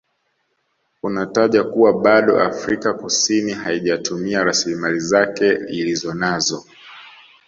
Unataja kuwa bado Afrika Kusini haijatumia rasilimali zake Ilizonanazo